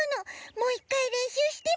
もういっかいれんしゅうしてもいい？